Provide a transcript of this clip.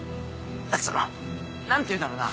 その何ていうんだろうな。